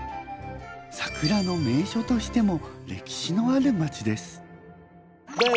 桜の名所としても歴史のある町です。